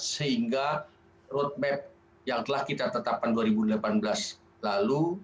sehingga roadmap yang telah kita tetapkan dua ribu delapan belas lalu